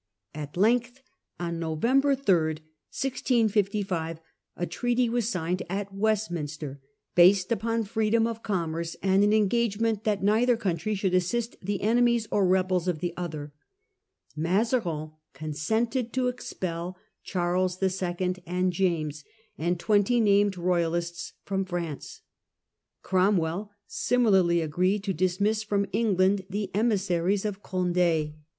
At length on November 3, 1655, a treaty was signed at Westminster, based upon freedom of commerce and Treaty of an en £ a S ement that neither country should West assist the enemies or rebels of the other ; November 3, Mazarin consented to expel Charles II., i 6 55 James, and twenty named royalists from France. Cromwell similarly agreed to dismiss from England the emissaries of Conde.